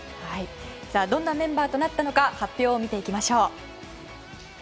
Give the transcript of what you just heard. どんなメンバーとなったのか発表を見ていきましょう。